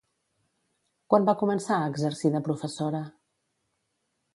Quan va començar a exercir de professora?